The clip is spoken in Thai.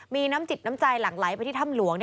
มีน้ำจิตน้ำใจหลั่งไหลไปที่ถ้ำหลวง